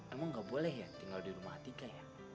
emang gak boleh ya tinggal di rumah tiga ya